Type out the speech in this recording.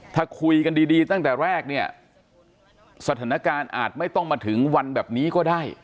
ถ้าคุยกันดีตั้งแต่แรกเนี่ยสถานการณ์อาจไม่ต้องมาถึงวันแบบนี้ก็ได้